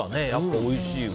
おいしいわ。